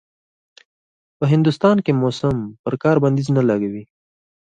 په هندوستان کې موسم پر کار بنديز نه لګوي.